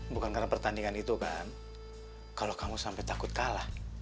bukan karena pertandingan itu kan kalau kamu sampai takut kalah